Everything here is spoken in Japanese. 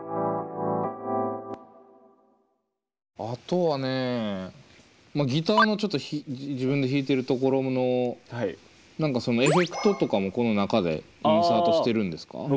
あとはねギターのちょっと自分で弾いてる所の何かそのエフェクトとかもこの中でインサートしてるんですか？